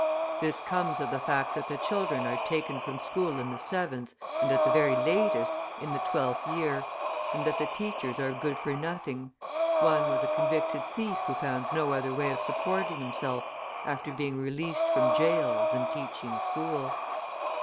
This comes of the fact that the children are taken from school in the seventh, and, at the very latest, in the twelfth year, and that the teachers are good for nothing; one was a convicted thief who found no other way of supporting himself after being released from jail than teaching school!